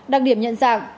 đặc điểm nhận dạng